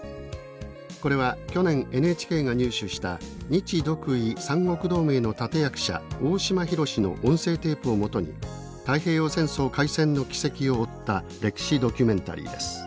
これは去年ＮＨＫが入手した日独伊三国同盟の立て役者大島浩の音声テープを基に太平洋戦争開戦の軌跡を追った歴史ドキュメンタリーです。